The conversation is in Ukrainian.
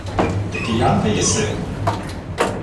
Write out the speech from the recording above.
— Ти киянка єси?